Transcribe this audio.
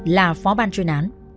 là phó ban chuyên án